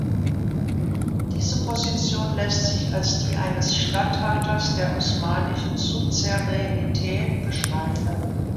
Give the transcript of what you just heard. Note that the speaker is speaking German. Diese Position lässt sich als die eines Statthalters der osmanischen Suzeränität beschreiben.